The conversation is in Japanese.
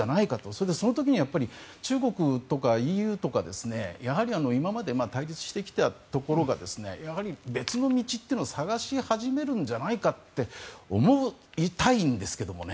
そして、その時には中国とかＥＵとか今まで対立してきたところが別の道を探し始めるんじゃないかと思いたいんですけどもね。